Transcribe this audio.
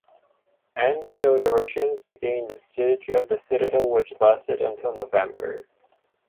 And so The Russians began the siege of the citadel which lasted until November.